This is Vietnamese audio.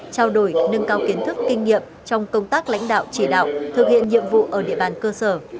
trao đổi nâng cao kiến thức kinh nghiệm trong công tác lãnh đạo chỉ đạo thực hiện nhiệm vụ ở địa bàn cơ sở